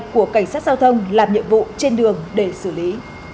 của cảnh sát giao thông làm nhiệm vụ trên đường để xử lý